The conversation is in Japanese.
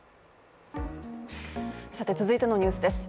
続いてのニュースです。